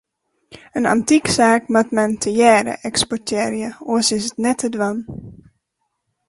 In antyksaak moat men tegearre eksploitearje, oars is it net te dwaan.